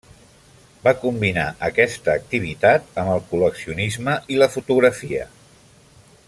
Va combinar aquesta activitat amb el col·leccionisme i la fotografia.